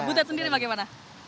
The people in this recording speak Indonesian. butet sendiri bagaimana